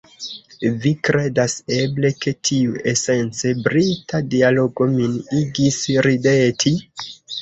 Vi kredas, eble, ke tiu esence Brita dialogo min igis rideti?